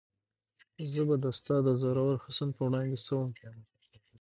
زه به د ستا د زورور حسن په وړاندې څه وم؟